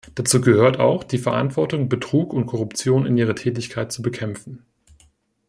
Dazu gehört auch die Verantwortung, Betrug und Korruption in ihrer Tätigkeit zu bekämpfen.